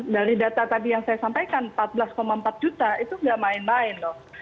dari data tadi yang saya sampaikan empat belas empat juta itu nggak main main dong